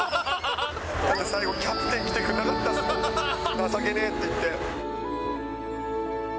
だって、最後、キャプテン来てくれなかったですもん、情けねぇっていって。